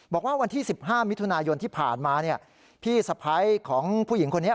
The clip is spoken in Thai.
วันที่๑๕มิถุนายนที่ผ่านมาพี่สะพ้ายของผู้หญิงคนนี้